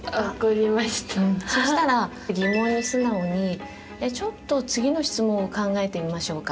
そしたら疑問に素直にちょっと次の質問を考えてみましょうか。